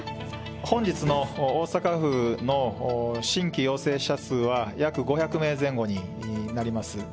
本日の大阪府の新規陽性者数は約５００名前後になります。